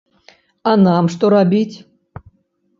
А нам што рабіць?